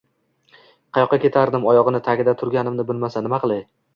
Qayoqqa ketardim? Oyog‘ining tagida turganimni bilmasa, nima qilay?